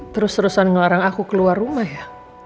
terus terusan ngelarang aku keluar rumah ya